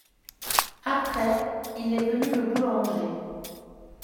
Après, il est venu le boulanger.